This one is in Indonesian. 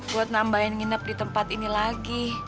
buat nambahin nginep di tempat ini lagi